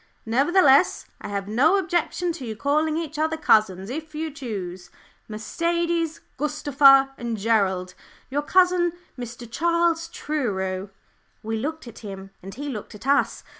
Nevertheless, I have no objection to your calling each other cousins if you choose. Mercedes, Gustava, and Gerald your cousin, Mr. Charles Truro." We looked at him, and he looked at us.